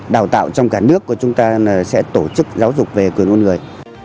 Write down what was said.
đào tạo trong cả nước của chúng ta là sẽ tổ chức giáo dục về quyền con người